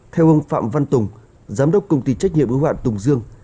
theo ông phạm văn tùng giám đốc công ty trách nhiệm ưu hoạn tùng dương